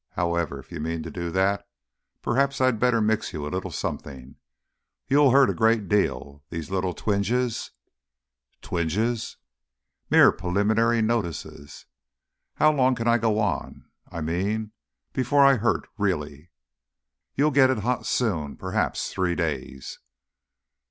However, if you mean to do that perhaps I'd better mix you a little something. You'll hurt a great deal. These little twinges ..." "Twinges!" "Mere preliminary notices." "How long can I go on? I mean, before I hurt really." "You'll get it hot soon. Perhaps three days."